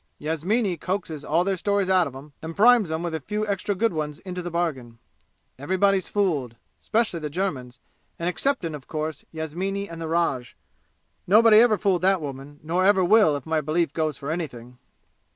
Yasmini coaxes all their stories out of 'em and primes 'em with a few extra good ones into the bargain. Everybody's fooled 'specially the Germans and exceptin', of course, Yasmini and the Raj. Nobody ever fooled that woman, nor ever will if my belief goes for anything!"